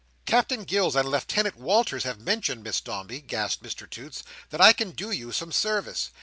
"Captain Gills and Lieutenant Walters have mentioned, Miss Dombey," gasped Mr Toots, "that I can do you some service.